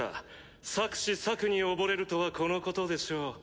「策士策に溺れる」とはこのことでしょう。